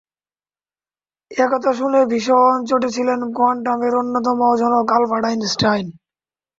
এ কথা শুনে ভীষণ চটেছিলেন কোয়ান্টামের অন্যতম জনক আলবার্ট আইনস্টাইন।